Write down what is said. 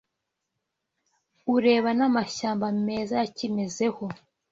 ureba n’amashyamba meza yakimezeho